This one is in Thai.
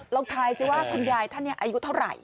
ทายสิว่าคุณยายท่านนี้อายุเท่าไหร่